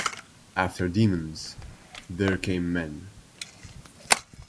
After Demons, there came men.